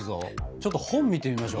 ちょっと本を見てみましょう。